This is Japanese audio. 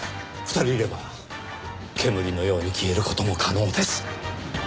２人いれば煙のように消える事も可能です。